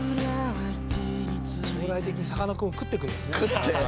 将来的にさかなクンを食ってくんですね。